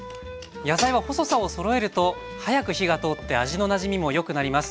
野菜は細さをそろえると早く火が通って味のなじみもよくなります。